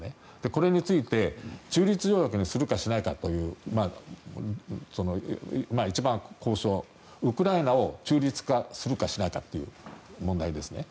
これについて中立条約にするかしないかという一番の交渉のウクライナを中立化しないかという問題ですね。